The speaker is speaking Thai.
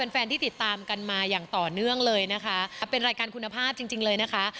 แฟนที่ติดตามกันมาอย่างต่อเนื่องเลยนะคะเป็นรายการคุณภาพจริงจริงเลยนะคะ